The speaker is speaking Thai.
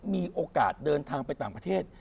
มีโอกาสเดินทางไปต่างประเทศ